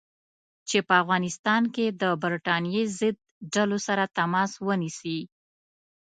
چې په افغانستان کې د برټانیې ضد ډلو سره تماس ونیسي.